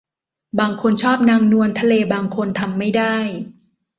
บางคนชอบนางนวลทะเลบางคนทำไม่ได้